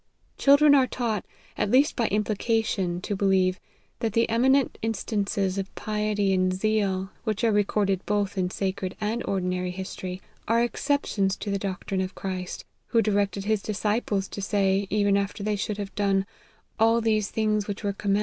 Chil dren are taught, at least by implication, to believe, that the eminent instances of piety and zeal, which are recorded both in sacred and ordinary history, are exceptions to the doctrine of Christ, who directed his disciples to say even after they should have done " all those tilings which were com 3 4 PREFACE.